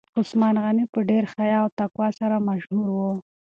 عثمان غني په ډیر حیا او تقوا سره مشهور و.